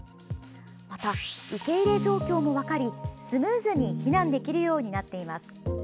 受け入れ状況も分かりスムーズに避難できるようになっています。